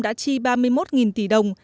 đã chi ba mươi một tỷ đồng